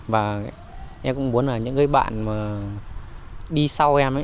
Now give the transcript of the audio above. và em cũng muốn là những người bạn mà đi sau em ấy